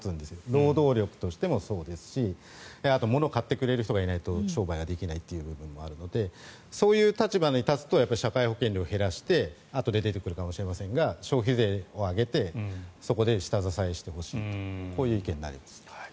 労働力としてもそうですしあと物を買ってくれる人がいないと商売ができないという部分もあるので、そういう立場に立つと社会保険料を減らしてあとで出てくるかもしれませんが消費税を上げてそこで下支えしてほしいとこういう意見になります。